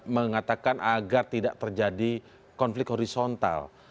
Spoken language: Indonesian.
mengatakan agar tidak terjadi konflik horizontal